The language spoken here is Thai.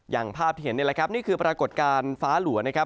อย่างภาพที่เห็นนี่แหละครับนี่คือปรากฏการณ์ฟ้าหลัวนะครับ